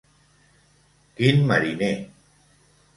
Quin mariner!